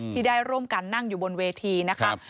ที่ได้ร่วมกันนั่งอยู่บนเวทีนะคะ